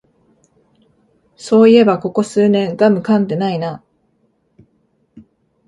そういえばここ数年ガムかんでないな